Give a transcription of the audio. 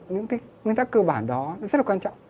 những cái nguyên tắc cơ bản đó rất là quan trọng